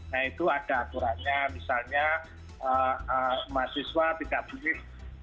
nah itu ada aturannya misalnya mahasiswa tidak boleh